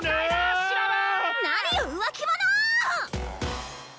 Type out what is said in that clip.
何よ浮気者！